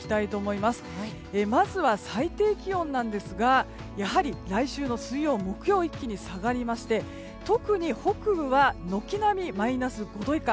まずは最低気温なんですがやはり来週の水曜、木曜一気に下がりまして特に北部は軒並みマイナス５度以下。